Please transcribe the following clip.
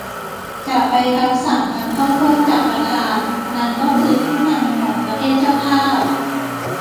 จะไปรับสาส์นการเข้าร่วมจากประธาน นั้นก็คือผู้นำของประเทศเจ้าภาพ